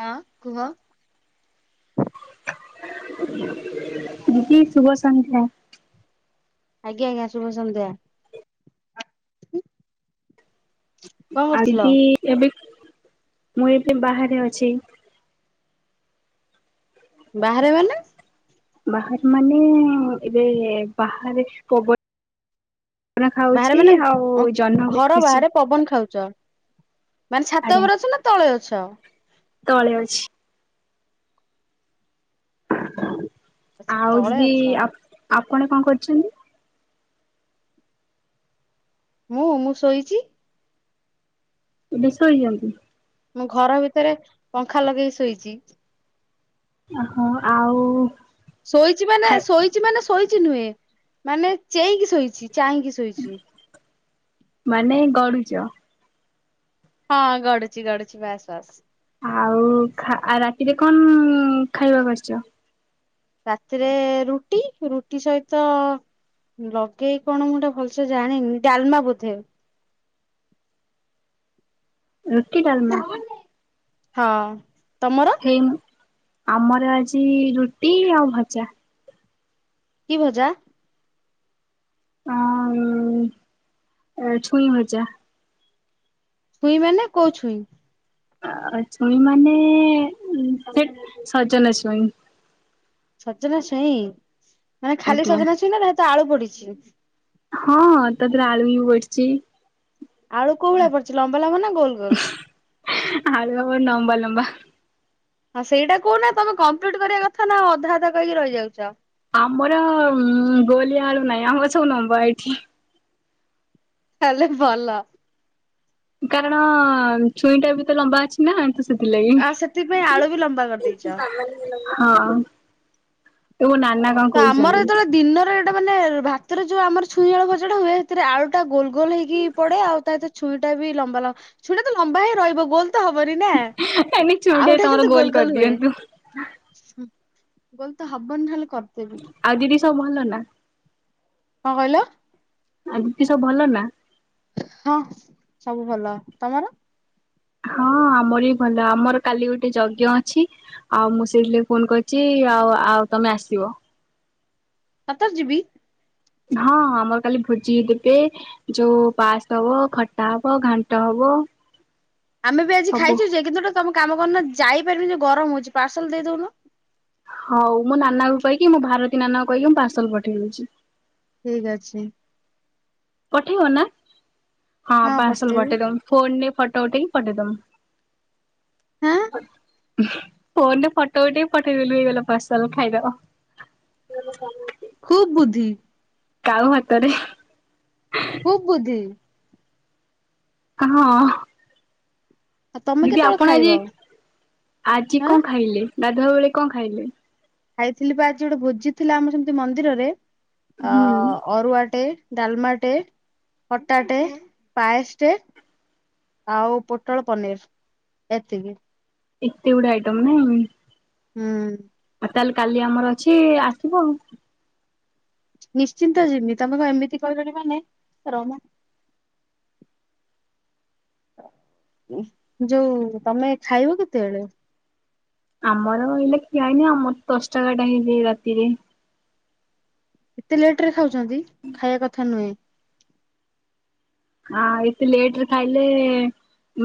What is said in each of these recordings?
ହଁ କୁହ। [unintelligible] ଦିଦି ଶୁଭ ସନ୍ଧ୍ୟା। ଆଜ୍ଞା ଆଜ୍ଞା ଶୁଭ ସନ୍ଧ୍ୟା। [inaudible] କଣ କରୁଥିଲ ଆଜି ଏବେ ମୁଁ ଏବେ ବାହାରେ ଅଛି। ବାହାରେ ମାନେ ବାହାରେ ମାନେ ଏବେ ବାହାରେ ପବନ ବାହାରେ ଖାଉଛି ମାନେ ଆଉ ଜହ୍ନ ଓହୋ ଘର ଦେଖୁଛି ବାହାରେ ପବନ ଖାଉ ଚ ମାନେ ଛାତ ଆଜ୍ଞା ଉପରେ ଅଛ ନା ତଳେ ଅଛ? ତଳେ ଅଛି। ଆଚ୍ଛା [inaudible] ତଳେ ଆଉରି ଅଛ ଆପ ଆପ ଆପଣ କଣ କରିଚନ୍ତି? ମୁଁ ମୁଁ ଶୋଇଚି। ଏବେ ଶୋଇଚନ୍ତି? ମୁଁ ଘର ଭିତରେ ପଙ୍ଖା ଲଗେଇ ଶୋଇଚ। ଓହଁ ଆଉ ଶୋଇଚି ମାନେ ଖାଇ ଶୋଇଚି ମାନେ ଶୋଇଚି ନୁହେଁ ମାନେ ଚେଇଁକି ଶୋଇଚି। ଚାହିଁକି ଶୋଇଚି। ମାନେ ଗଢୁଚ। ହଁ ଗଡୁଚି ଗଡୁଚି ବାସ୍ ବାସ୍। ଆଉ ଖା ଆ ରା ଏତେ କଣ ଖାଇବାକୁ ଆସିଚ? ରାତିରେ ରୁଟି ରୁଟି ସହିତ ଲଗେଇ କଣ ମୁଁ ଏଟା ଭଲସେ ଜାଣିନି ଡାଲମା ବୋଧେ। ରୁଟି ଡାଲମା। ହଁ। ତମର? ହେଇ ଆମର ଆଜି ରୁଟି ଆଉ ଭଜା। କି ଭଜା? ଉଁ ଛୁଇଁ ଭଜା । ଛୁଇଁ ମାନେ କୋଉ ଛୁଇଁ? ଛୁଇଁ ମାନେ ସେ ସଜନା ଛୁଇଁ। ସଜନା ଛୁଇଁ । ମାନେ ଖାଲି ଆଜ୍ଞା। ସଜନା ଛଇଁ ତା ସହିତ ଆଳୁ ପଡିଛି। ହଁ ତାଥିରେ ଆଳୁ ବି ପଡିଚି। ଆଳୁ କୋଉ ଭଳିଆ ପଡିଚି ଲମ୍ବା ଲମ୍ବା ନା ଗୋଲ ଗୋଲ? ଆଳୁ ଆମର ନମ୍ବା ଲମ୍ବା। ହଁ ସେଇଟା କହୁନ ତମେ କମ୍ପ୍ଲିଟ କରିବା କଥା ନା ଅଧା ଅଧା କହିକି ରହିଯାଉଚ। ଆମର ଗୋଲିଆ ଆଳୁ ନାହିଁ ଆମର ସବୁ ନମ୍ବା ଏଇଠି। ତାଲେ ଭଲ। କାରଣ ଛୁଇଁ ଟା ବି ତ ଲମ୍ବା ଅଛି ନା ତ ସେଥିଲାଗି ଆ ସେଥିପାଇଁ ଆଳୁ ବି ଲମ୍ବା କରିଦେଇଚ। ହଁ। ତୋ ନାନା କଣ ତ ଆମର କହୁଛନ୍ତି ଯେତେବେଳେ ଦିନରେ ଏଟା ମାନେ ଭାତରେ ଯୋଉ ଆମର ଛୁଇଁ ଆଳୁ ଭଜା ଟା ହୁଏ ସେଥିରେ ଆଳୁ ଟା ଗୋଲ ଗୋଲ ହେଇକି ପଡେ ଆଉ ତାରେ ଛୁଇଁ ଟା ବି ଲମ୍ବା ଲମ୍ବା ଛୁଇଁ ଟା ଲମ୍ବା ହେଇ ରହିବ ଗୋଲ ତ ହବନି ନା ଏନି ଛୁଇଁ ଟେ ଆଉ ଟା ତମର କିନ୍ତୁ ଗୋଲ ଗୋଲ ହୁଏ। କରିଦିଅନ୍ତୁ। ଗୋଲ ତ ହବନି ନହେଲେ କର ଆଉ ଦିଦି ସବୁ ଭଲ ନା? କଣ କଇଲ? ଆଉ ଦିଦି ସବୁ ଭଲ ନା? ହଁ ସବୁ ଭଲ ତମର? ହଁ ଆମର ବି ଭଲ ଆମର କାଲି ଗୋଟେ ଯଜ୍ଞ ଅଛି ଆଉ ମୁଁ ସେଇଠି ଲାଗି ଫୋନ କରିଚି ଆଉ ଆଉ ତମେ ଆସିବ। ସତରେ ଯିବି? ହଁ ଆମର କାଲି ଭୋଜି ଦେବେ ଯୋଉ ପାସ୍ ହବ, ଖଟା ହବ, ଘାଣ୍ଟ ହବ। ଆମେ ବି ଆଜି ସବୁ ଖାଇଛୁ ଯେ କିନ୍ତୁ ଗୋଟେ ତମେ କାମ କ ନ ଯାଇପାରିବିନି ଯୋଉ ଗରମ ହଉଛି ପାର୍ସଲ ଦେଇଦଉନ। ହଉ ମୋ ନାନା କହିକି ମୋ ଭାରତୀ ନାନାଙ୍କୁ କହିକି ମୁଁ ପାର୍ସଲ ପଠେଇଦଉଛି। ଠିକ ଅଛି। ପଠେଇବ ନା? ହଁ ପାର୍ସଲ ପଠେଇ ଦେବି ତମ ଫୋନରେ ଫଟୋ ଉଠେଇକି ପଠେଇ ଦମୁ। ହାଁ ଆ ଫୋନରେ ଫଟୋ ଉଠେଇ ପଠେଇଦଲୁ ହେଇଗଲା ପାର୍ସଲ ଖାଇ ଦେବ। ଖୁବ ବୁଦ୍ଧି। କାଉ ହାତରେ । ଖୁବ ବୁଦ୍ଧି ହଁ। ଆଉ ତମେ ଦିଦି କେତେବେଳେ ଆପଣ ଆଜି ଖାଇବ ଆଜି ହାଁ କଣ ଖାଇଲେ? ଗାଧୁଆ ବେଳେ କଣ ଖାଇଲେ? ଖାଇଥିଲି ବା ଆଜି ଗୋଟେ ଭୋଜି ଥିଲା ଆମର ସେମିତି ମନ୍ଦିରରେ। ଆ ହୁଁ ଅରୁଆଟେ। ଡାଲମାଟେ ଖଟାଟେ ପାଏସ ଟେ ଆଉ ପୋଟଳ ପନିର ଏତିକି। ଏତେ ଗୁଡେ଼ ଆଇଟମ ନୁହେଁ କି? ହୁଁ। ତାହେଲେ କାଲି ଆମର ଅଛି ଆସିବ ଆଉ। ନିଶ୍ଚିନ୍ତ ଯିବି ତମେ ଏମିତି କହିଲନି ମାନେ ରହ ମ। ଯୋଉ ତମେ ଖାଇବ କେତେବେଳେ? ଆମର ହେଲେ ଖିଆ ହେଇନି ଆମର ଦଶଟା ଟାଇମ୍ ରାତିରେ। ଏତେ ଲେଟରରେ ଖାଉ ଅଛନ୍ତି ଖାଇବା କଥା ନୁହେଁ। ଆ ଏତେ ଲେଟ ରେ ଖାଇଲେ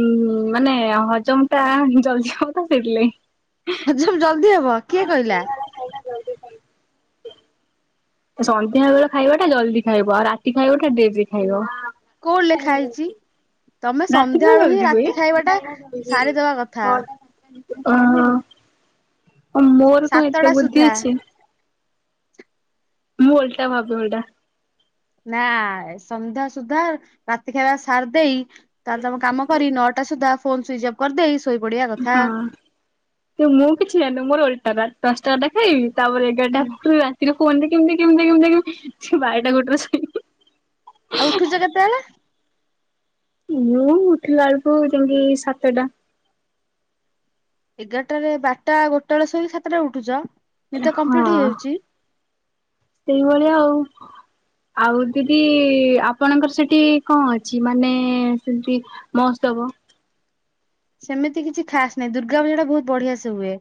ଉଁ ମାନେ ହଜମଟା ଜଲଦି ହବ ତ ସେଥିଲାଗି। ହଜମ ଜଲ ଜଦି ହବ କିଏ କହିଲା? ସନ୍ଧ୍ୟା ବେଳ ଖାଇବା ଟା ଜଲଦି ଖାଇବ ଆଉ ରାତି ଖାଇବା ଟା ଡେରିରେ ଖାଇବ। କୋଉଠି ଲେଖା ହେଇଛି ତମେ ରାତି ର ସନ୍ଧ୍ୟାବେଳୁ ହିଁ ଜଲଦି ହୁଏ ରାତି ଖାଇବାଟା ସାରିଦବା କଥା ଅହ। ଓ ମୋର କଣ ସାତଟା ଏତେ ବୁଦ୍ଧି ସୁଦ୍ଧା ଅଛି। ମୁଁ ଓଲଟା ଭାବେ ଓଲଟା। ନା ସନ୍ଧ୍ୟା ସୁଧା ରାତି ଖାଇବା ସାରି ଦେଇ ତାହେଲେ ତ ମୁଁ କାମ କରି ନଅଟା ସୁଧା ଫୋନ୍ ସୁଇଚ ଅଫ୍ କରିଦେଇ ଶୋଇପଡିବା କଥା ହଁ ତ ମୁଁ କିଛି ଜାଣିନୁ ମୋର ଓଲ ଟା ତା ପାଞ୍ଚଟା ଅଣ୍ଡା ଖାଇବି। ତାପରେ ଏଗାରଟା ହୁଁ ରାତିରେ କୁହନ୍ତି କେମିତି କେମିତି କେମିତି କେମିତି ସେ ବାରଟା ଗୋଟେରେ ଶୁଏ। ଆଉ ଉଠୁଛ କେତେବେଳେ? ମୁଁ ଉଠିଲା ବେଳକୁ ଯାଇକି ସାତଟା । ଏଗାରଟାରେ ବାରଟା ଗୋଟେ ବେଳେ ଶୋଇକି ସାତଟାରେ ଉଠୁଛ । ହଁ ସେଇଭଳିଆ [inaudible] ଆଉ। ଆଉ ଦିଦି ଆପଣଙ୍କର ସେଠି କଣ ଅଛି ମାନେ ସେଠି ମହୋତ୍ସବ । ସେମିତି କିଛି ଖାସ୍ ନାହିଁ ଦୁର୍ଗା ପୂଜା ଟା ବହୁତ ବଢିଆ ସେ ହୁଏ।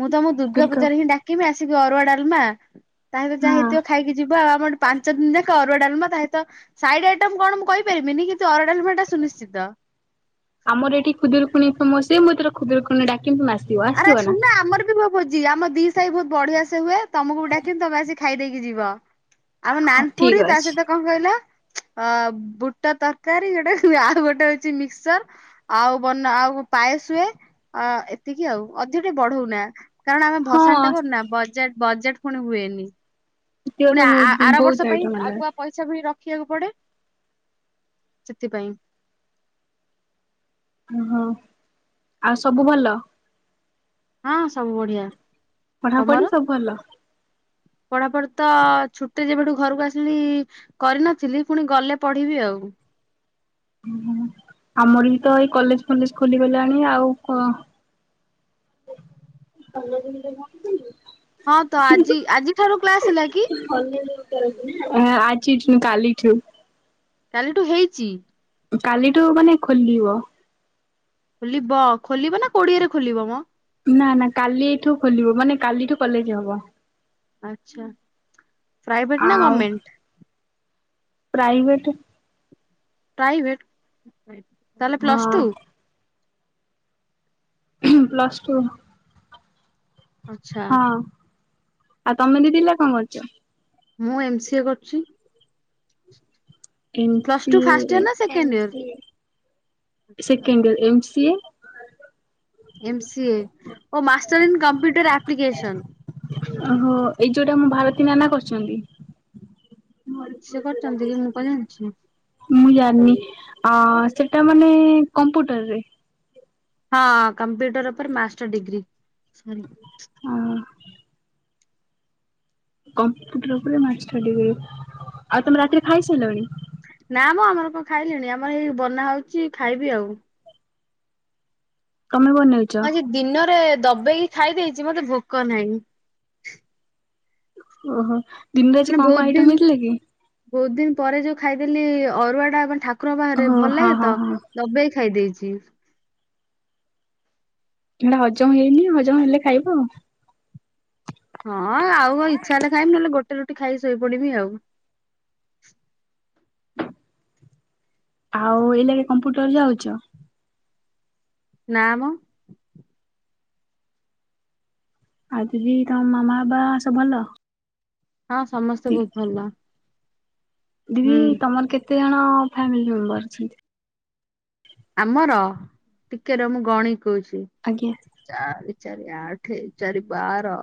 ମୁଁ ତମକୁ ଦୁର୍ଗା ଦୁର୍ଗାପୂଜାରେ ହିଁ ଡାକିବି ଆସି ଆସିକି ଅରୁଆ ଡାଲମା ତା ଭିତରୁ ଯାହା ହଁ। ହେଇଥିବ ଖାଇକି ଯିବ ଆଉ ଆମର। ପାଞ୍ଚ ଦିନ ଯାକ ଅରୁଆ ଡାଲମା ତା ସହିତ ସାଇଡ ଆଇଟମ କଣ ମୁଁ କହିପାରିବିନି କି କିନ୍ତୁ ଅରୁଆ ଡାଲମା ଟା ସୁନିଶ୍ଚିତ। ଆମର ଏଠି ଖୁଦୁରୁକୁଣୀ ଫେମସ ହୁଏ ମୁଁ ଏଥର ଖୁଦୁରୁକୁଣୀ ଡାକିବି ତମେ ଆସିବ। ଆରେ ଆସିବ ନା? ଶୁଣନା ଆମର ବି ଭୋ ଭୋଜି ଆମ ଦି ସାହି ବହୁତ ବଢିଆ ସେ ହୁଏ ତମକୁ ବି ଡାକି ତମେ ଆସି ଖାଇ ଦେଇକି ଯିବ। ଆମ ହଁ ଠିକ ନାନପୁରୀ ତା ଅଛି ସହିତ କଣ କହିଲ ଅ ବୁଟ ତରକାରୀ ଗୋଟେ ଆଉ ଗୋଟେ ହଉଛି ମିକ୍ସଚର ଆଉ ବନ ଆଉ ପାଏସ୍ ହୁଏ । ଏତିକି ଆଉ ଅଧିକ ଟେ ବଢଉନା। କାରଣ ଆମେ ହଁ ଭସାଣି ଟା କରୁନା ବଜାର ବଜେଟ ପୁଣି ହୁଏନି। ସେତିକ ତ ପୁଣି ବହୁତ ଆର ବହୁତ ବର୍ଷ ପାଇଁ ଆଇଟମ ହେଲାଣି। ଆଗୁଆ ପଇସା ଭି ରଖୁ ଦେଖିବାକୁ ପଡେ ସେଥିପାଇଁ । ଓହୋ ଆଉ ସବୁ ଭଲ? ହଁ ସବୁ ବଢିଆ। ତମର ପଢାପଢି ସବୁ ଭଲ? ପଢାପଢି ତ ଛୁଟି ଯେବେଠୁ ଘରକୁ ଆସିଲିଣି କରିନଥିଲି ପୁଣି ଗଲେ ପଢିବି ଆଉ। ଓ ଆମର ବି ତ ଏଇ କଲେଜ ଫଲେଜ ଖୋଲିଗଲାଣି ଆଉ । ହଁ ତ ଆଜି ଆଜି ଠାରୁ କ୍ଲାସ ହେଲା କି? ହୁଁ କାଲିଠୁ। କାଲିଠୁ ହେଇଚି? କାଲିଠୁ ମାନେ ଖୋଲିବ । ଖୋଲିବ ଖୋଲିବ ନା କୋଡିଏରେ ଖୋଲିବ ମ। ନା ନା କାଲି ଏଇଠୁ ଖୋଲିବ ମାନେ କାଲିଠୁ କଲେଜ ହବ। ଆଚ୍ଛା। ପ୍ରାଇଭେଟ ନା ଗର୍ମେଣ୍ଟ? ପ୍ରାଇଭେଟ୍ ପ୍ରାଇଭେଟ ତାହେଲେ ହଁ ପ୍ଲସ ଟୁ ପ୍ଲସ ଟୁ ଆଚ୍ଛା। ହଁ ଆଉ ତମେ ଦି ଦିନ ହେଲା କଣ କରୁଚ। ମୁଁ ଏମ ସି ଏ କରୁଛି। M plus C two first year ଏ ନା second M year C A second year M C M C A ଓ ମାଷ୍ଟର ଇନ କମ୍ପ୍ୟୁଟର ଆପ୍ଲିକସନ ଓହୋ ଏଇ ଯୋଉଟା ମୋ ଭାରତୀ ନାନା କରଛନ୍ତି। ସେ କରିଚନ୍ତି ଦିଦି ମୁଁ କଣ ଜାଣିଚି। ମୁଁ ଜାଣିନି ଆ ସେଟା ମ ମାନେ କମ୍ପୁଟରରେ ହଁ କମ୍ପ୍ୟୁଟର ଉପରେ ମାଷ୍ଟର ଡିଗ୍ରୀ ସରି କମ୍ପୁଟର ଉପରେ ମାଷ୍ଟର ଡିଗ୍ରୀ ଆଉ ତମେ ରାତିରେ ଖାଇସାରିଲଣି? ନା ମ ଆମର କଣ ଖାଇଲେଣି ଆମର ଏଇ ବନା ହଉଛି ଖାଇବି ଆଉ। ତମେ ବନେଇଛ? ହଁ ଯେ ଦିନରେ ଦବେଇକି ଖାଇ ଦେଇଚି ମତେ ଭୋକ ନାହିଁ। ଓହୋ। ଦିନରେ ଆଜି ମାନେ କଣ ବହୁତ କଣ ଦିନ ଆଇଟମ୍ ହେଇଥିଲା କି? ବହୁତ ଦିନ ପରେ ଯୋଉ ଖାଇଦେଲି ଅରୁଆ ଟା ଠାକୁ ଠାକୁରଙ୍କ ପାଖରେ ଓହୋ ଭଲ ହଁ ଲାଗେ ହଁ ତ ହଁ ଦବେଇକି ଖାଇ ଦେଇଚି। [inaudible] ଏଟା ହଜମ ହେଇନି ହଜମ ହେଲେ ଖାଇବ ଆଉ। ହଁ ଆଉ ଇଚ୍ଛା ହେଲେ ଖାଇବି ନହେଲେ ଗୋଟେ ରୁଟି ଖାଇକି ଶୋଇପଡିବି ଆଉ। ଆଉ ଏଇଲାକେ କମ୍ପୁଟର ଯାଉଚ? ନାମ ଆଉ ଦିଦି ତମ ମାମା ବାବା ସବୁ ଭଲ? ହଁ ସମସ୍ତେ ବହୁତ ଭଲ। ଦିଦି ହୁଁ ତମର କେତେ ଜଣ? ହଁ ଫ୍ୟାମିଲି ମେମ୍ବର ଅଛନ୍ତି? ଆମର ଟିକେ ରହ ମୁଁ ଗଣି କହୁଚି। ଆଜ୍ଞା ଚାରି ଚାରି ଆଠ ଚାରି ବାର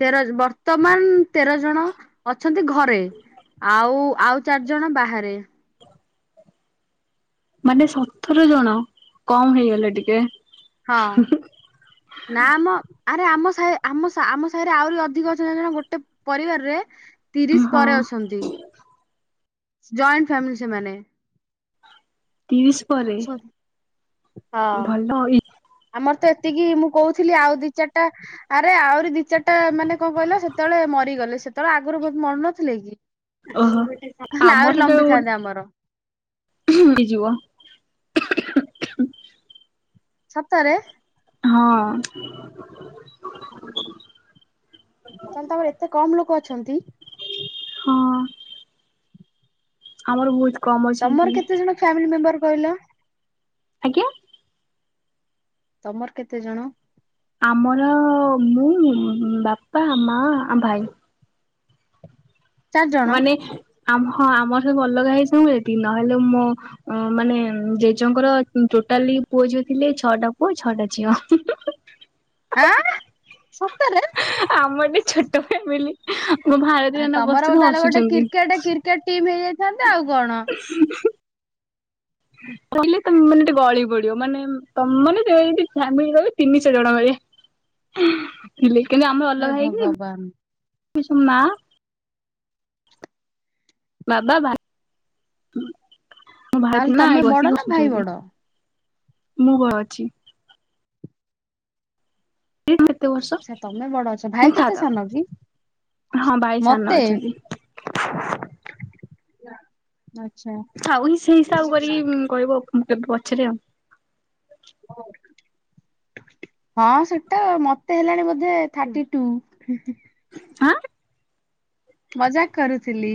ତେର ବର୍ତ୍ତମାନ ତେର ଜଣ ଅଛନ୍ତି ଘରେ। ଆଉ ଆଉ ଚାରି ଜଣ ବାହାରେ। ମାନେ ସତର ଜଣ କମ୍ ହେଇଗଲେ ଟିକେ। ହଁ ନାଁ ମ। ଆରେ ଆମ ଆମ ଆମ ସାହିରେ ଆହୁରି ଅଧିକ ଅଛନ୍ତି। ଜାଣିଚ ନାଁ ଗୋଟେ ପରିବାରରେ ତିରିଶ ହଁ ପରେ ଅଛନ୍ତି। ଜଏଣ୍ଟ ଫ୍ୟାମିଲି ସେମାନେ। ତିରିଶି ପରେ ହଁ ଭଲ ଇ ଆମର ତ ଏତିକି ମୁଁ କହୁଥିଲି ଆଉ ଦି ଚାରିଟା ଆରେ ଆହୁରି ଦି ଚାରିଟା ମାନେ କଣ କହିଲ ସେତେବେଳେ ମରିଗଲେ। ସେତେବେଳେ ଆଗୁରୁ ବହୁତ ମରୁନଥିଲେ କି। ଓହୋ ନହେଲେ ଆହୁରି ଆମର ଗୋ ଲମ୍ବିଥାନ୍ତା ଆମର ତ ହେଇଯିବ। [inaudible] ସତରେ ହଁ। ତାହେଲେ ତମର ଏତେ କମ୍ ଲୋକ ଅଛନ୍ତି। ହଁ। ଆମର ବହୁତ କମ ଅଛନ୍ତି ତମର କେତେ ଜଣ ଫ୍ୟାମିଲି ମେମ୍ବର। କହିଲ। ଆଜ୍ଞା। ତମର କେତେ ଜଣ? ଆମର ମୁଁ ବାପା ମା ଆ ଭାଇ। ଚାରି ଜଣ ମାନେ ଆମ ହଁ ଆମର ସ ଅଲଗା ହେଇ ସବୁ ଏତି ନହେଲେ ମୋ ମାନେ ଜେଜେଙ୍କର ଟୋଟାଲି ପୁଅ ଯୋଉ ଥିଲେ ଛଅଟା ପୁଅ ଛଅଟା ଝିଅ। ଆଁ ସତରେ। ଆମର ବି ଛୋଟ ଫ୍ୟାମିଲି। ମୋ ଭାରତୀୟ ଆ ନନା ତମର ବସିଛନ୍ତି ତାହେଲେ ଗୋଟେ ହସୁଛନ୍ତି କ୍ରିକେଟ କ୍ରିକେଟ ଟିମ୍ ହେଇଯାଇଥାନ୍ତ ଆଉ କଣ। କହିଲେ ତେ ମାନେ ଟିକେ ଗଳି ପଡିବ। ମାନେ ତ ମାନେ ଫାମିଲି ରହ ତିନିଶ ଜଣ ହେବେ। କିନ୍ତୁ ଆମର ହେ ଅଲଗା ହେଇକି ଭଗବାନ କିସ ମା। ବାବା ଭା ତାହେଲେ ତମେ ବଡ ନା ଭାଇ ବଡ? ମୁଁ ଭୟ ଅଛି। ଏ କେତେ ବର୍ଷ ଆଚ୍ଛା ତମେ ବଡ ଅଛ ଭାଇ କେତେ ତା ସାନ କି ହଁ ବାଇ ସାନ ମତେ ଅଛନ୍ତି। ନା। ଆଉ ହି ସେଇ ହିସାବ କରିକି କହିବ। କେବେ ପଛରେ ଆଉ ହଁ ସେଟା ମତେ ହେଲାଣି ବୋଧେ ଥାର୍ଟି ଟୁ। ଅଁଆ ମଜାକ୍ କରୁଥିଲି।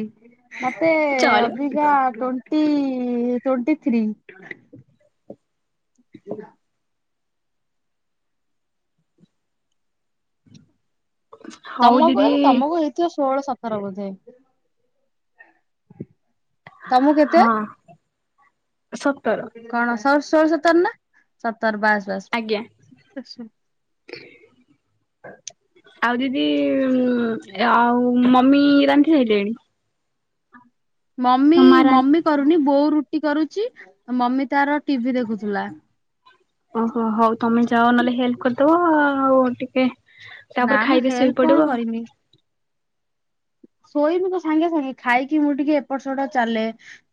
ମତେ ଚଳିବ। ଅବିକା ଟୋଣ୍ଟି। Twenty three. ହଉ ତମକୁ ଦିଦି ଏବେ ତମକୁ ହେଇଥିବ ଷୋହଳ ସତର ବୋଧେ। [inaudible] ତମକୁ କେତେ? ହଁ ସତର। ସଷୋଳ ସତର ନା। ସତର ବାସ୍ ବାସ୍। ଆଜ୍ଞା। ଆଉ ଦିଦି ଆଉ ମମି ରାନ୍ଧି ସାଇଲେଣି। ହ। ମମି ମା ରା ମମି କରୁନି ବୋଉ ରୁ ଟିକରୁଛି ମମି ତାର ଟିଭି ଦେଖୁଥିଲା। ଓ। ଓ ହଉ ତମେ ଯାଅ ନହେଲେ ହେଲ୍ପ କରିଦବ ଆଉ। ଟିକେ। ନା ତାପରେ ମ ଖାଇକି ଶୋଇ ହେଲ୍ପ କଣ ପଡିବ। କରିମି। ଶୋଇମି କ ସାଙ୍ଗେ ସାଙ୍ଗେ ଖାଇକି ମୁଁ ଟିକେ ଏପଟ ସେପଟ ଚାଲେ।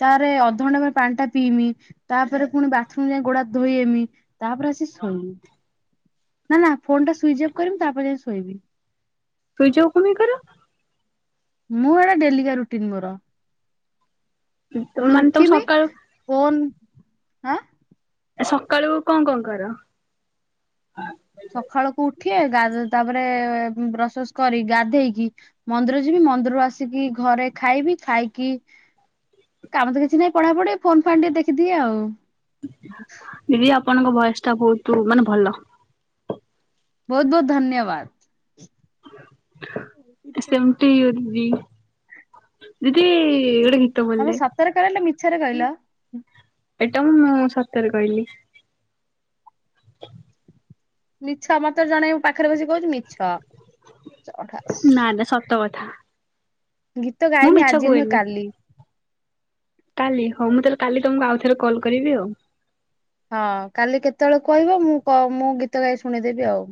ତାରେ ଅଧଘଣ୍ଟା ପରେ ପାଣି ଟା ପିଇମି। ତାପରେ ପୁଣି ବାଥରୁମ ଯାଇ ଗୋଡ ହାତ ଧୋଇ ହେମି। ତାପରେ ଆସି ଶୋଇମି । ନା ନା ଫୋନ ଟା ସୁଇଚ୍ ଅଫ୍ କରମି ତାପରେ ଯାଇ ଶୋଇବି। ସୁଇଚ୍ ଅଫ୍ କଣ ପାଇଁ କର? ମୁଁ, ଏଡା ଡେଲି କା ରୁଟିନ ମୋର। ପୁଣି ମାନେ ତମେ ଉଠିମି ସକାଳୁ ଫୋନ୍ ଆଁ। ସକାଳୁ କଣ କଣ କର। ସକାଳକୁ ଉ ଠିଏ ଗାଧ [unintelligible] ତାପରେ ବ୍ରସଫସ୍ କରି, ଗାଧେଇକି ମନ୍ଦିର ଯିବି। ମନ୍ଦିରରୁ ଆସିକି ଘରେ ଖାଇବି । ଖାଇକି, କାମ ତ କିଛି ନାହିଁ, ପଢାପଢି, ଫୋନ ଫାନ୍ ଟିକେ ଦେଖିଦିଏ ଆଉ। ଦିଦି, ଆପଣଙ୍କ ଭଏସ୍ ଟା ବହୁତ, ମାନେ ଭଲ। ବହୁତ ବହୁତ ଧନ୍ୟବାଦ। [inaudible] [unintelligible] ସେମତି [unintelligible] ବୋଲିଲେ ତମେ ସତରେ କହିଲ ନା ମି ଛରେ କହିଲ। ଏଇଟା, ମୁଁ ସତରେ କହିଲି। ମିଛ । ମତେ ଜଣେ ମୋ ପାଖରେ ବସି କହୁଛି, ମିଛ। ଚଢାସ। ନା ନା ସତ କଥା।। ଗୀତ ମୁଁ ଗାଇମି ମିଛ ଆଜି ନୁହେଁ କୁହେନି କାଲି କାଲି ହଉ ମୁଁ ତାହେଲେ କାଲି ତମକୁ ଆଉ ଥରେ କଲ କରିବି ଆଉ ହଁ କାଲି କେତେବେଳେ କହିବ, ମୁଁ କ ମୁଁ ଗୀତ ଗାଇ ଶୁଣେଇ ଦେବି ଆଉ